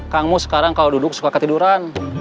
kang mus sekarang kalau duduk suka ketiduran